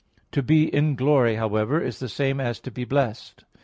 To be in glory, however, is the same as to be blessed.